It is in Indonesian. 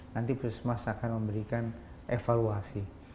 nanti puskesmas akan memberikan evaluasi